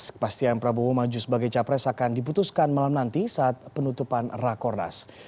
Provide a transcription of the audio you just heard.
kepastian prabowo maju sebagai capres akan diputuskan malam nanti saat penutupan rakornas